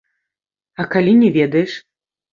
А калі не ведаеш?